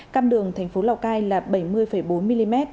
cam đường thành phố lào cai là bảy mươi bốn mm